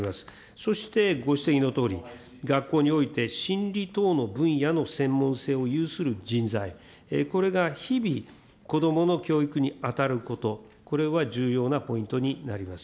そしてご指摘のとおり、学校において心理等の分野の専門性を有する人材、これが日々、子どもの教育に当たること、これは重要なポイントになります。